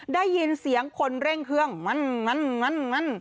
ได้ยินเสียงคนเร่งเครื่องมัน